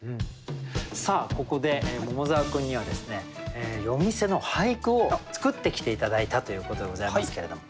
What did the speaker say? さあここで桃沢君にはですね夜店の俳句を作ってきて頂いたということでございますけれども。